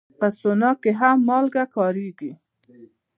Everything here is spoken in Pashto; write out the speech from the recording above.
په سونا کې هم مالګه کارېږي.